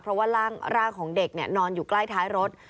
เพราะว่าร่างของเด็กนอนอยู่ใกล้ท้ายรถ